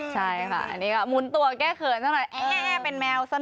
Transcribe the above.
ใช่ค่ะมุนตัวแก้เขินซักหน่อยแอ๊เป็นแมวซักหน่อย